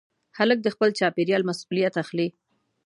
هلک د خپل چاپېریال مسؤلیت اخلي.